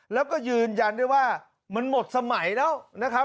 แล้วก็ยืนยันด้วยว่ามันหมดสมัยแล้วนะครับ